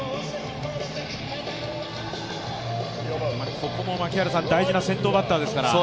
ここも大事な先頭バッターですから。